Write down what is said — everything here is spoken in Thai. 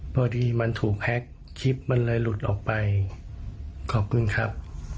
พอดีมันถูกแฮ็กคลิปมันเลยหลุดออกไปขอบคุณครับ